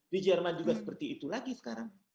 di jerman juga seperti itu lagi sekarang